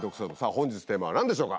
本日テーマは何でしょうか？